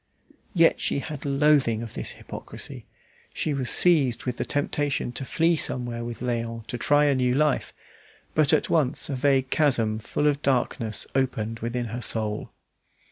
Yet she had loathing of this hypocrisy. She was seized with the temptation to flee somewhere with Léon to try a new life; but at once a vague chasm full of darkness opened within her soul.